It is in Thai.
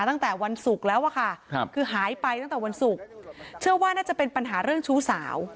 ตั้งแต่วันศุกร์แล้วอะค่ะคือหายไปตั้งแต่วันศุกร์เชื่อว่าน่าจะเป็นปัญหาเรื่องชู้สาว